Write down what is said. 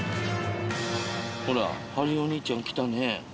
ほらハリーお兄ちゃん来たね。